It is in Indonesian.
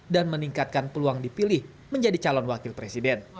dan meningkatkan peluang dipilih menjadi calon wakil presiden